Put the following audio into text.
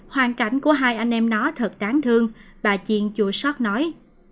hoàn cảnh của hai anh em nó thật tán thương bà chiên chua sót nói